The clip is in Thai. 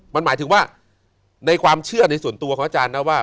มันหมายถึงว่าในความเชื่อในส่วนตัวของอาจารย์นะว่า